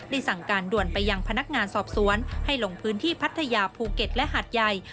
สั่งการด่วนไปยังพนักงานสอบสวนให้ลงพื้นที่พัทยาภูเก็ตและหาดใหญ่